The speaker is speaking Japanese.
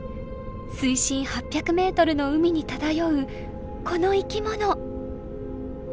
水深８００ｍの海に漂うこの生きもの。